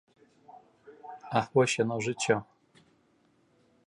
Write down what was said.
Ах, вось яно, жыццё.